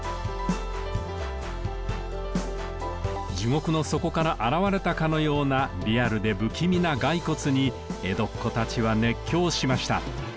地獄の底から現れたかのようなリアルで不気味な骸骨に江戸っ子たちは熱狂しました。